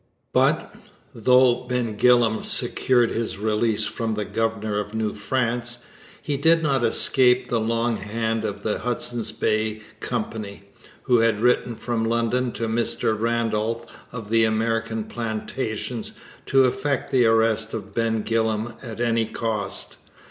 But, though Ben Gillam secured his release from the governor of New France, he did not escape the long hand of the Hudson's Bay Company, who had written from London to Mr Randolph of the American Plantations to effect the arrest of Ben Gillam at any cost.